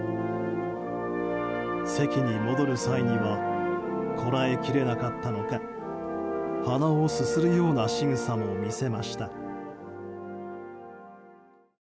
席に戻る際にはこらえきれなかったのか鼻をすするようなしぐさも見せました。